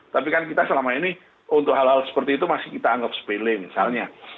tapi kan kita selama ini untuk hal hal seperti itu masih kita anggap sepele misalnya